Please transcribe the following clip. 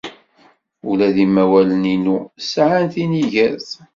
Ula d imawlan-inu sɛan tinigert.